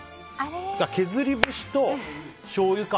削り節としょうゆか！